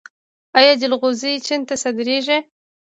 آیا جلغوزي چین ته صادریږي؟